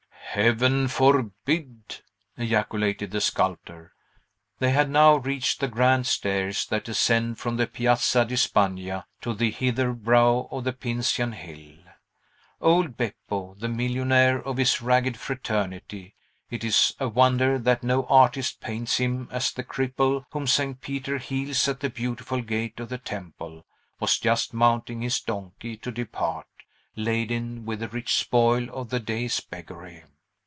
"Heaven forbid!" ejaculated the sculptor. They had now reached the grand stairs that ascend from the Piazza di Spagna to the hither brow of the Pincian Hill. Old Beppo, the millionnaire of his ragged fraternity, it is a wonder that no artist paints him as the cripple whom St. Peter heals at the Beautiful Gate of the Temple, was just mounting his donkey to depart, laden with the rich spoil of the day's beggary.